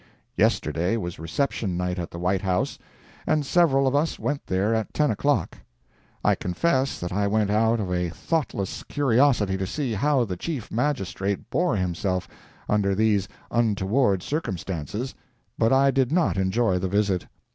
Yesterday was reception night at the White House and several of us went there at 10 o'clock. I confess that I went out of a thoughtless curiosity to see how the Chief Magistrate bore himself under these untoward circumstances, but I did not enjoy the visit.